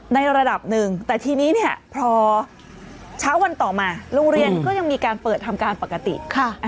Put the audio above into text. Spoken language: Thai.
ในระดับหนึ่งแต่ทีนี้เนี่ยพอเช้าวันต่อมาโรงเรียนก็ยังมีการเปิดทำการปกติ